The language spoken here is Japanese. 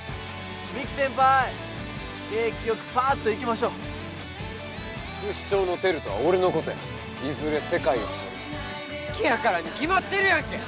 ⁉・美樹先輩・景気よくパーッといきましょう不死鳥のテルとは俺のことやいずれ世界を取る好きやからに決まってるやんけ！